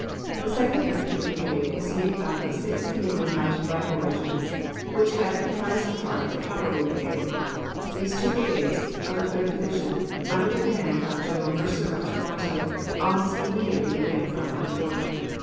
The second infantry brigade was made up of six Canadian mounted rifle regiments, which had comprised part of the cavalry brigade. These two brigades, of the Third Division, under the command of General Mercer of Toronto, almost immediately began front line work.